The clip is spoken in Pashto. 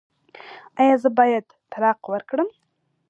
ایا زه باید طلاق ورکړم؟